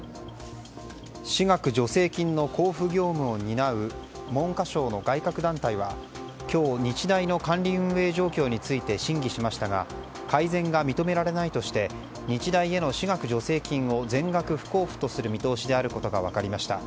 私学助成金の交付業務を担う文科省の外郭団体は、今日日大の管理運営状況について審議しましたが改善が認められないとして日大への私学助成金を全額不交付とする見通しであることが分かりました。